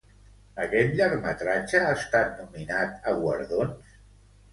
Aquest llargmetratge ha estat nominat a guardons?